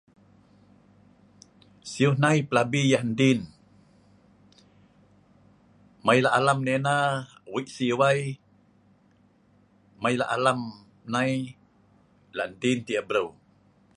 Siu hnai pelabi yah ndin.mai lak alam nai ena wei siu ai, mai lak alam nai lak ndin tah yah breu.